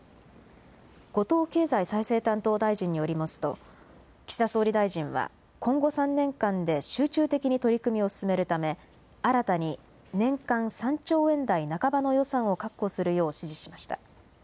後藤経済再生担当大臣によりますと、岸田総理大臣は、今後３年間で集中的に取り組みを進めるため、新たに年間３兆円台半ばの予算を確保するよう指示しました。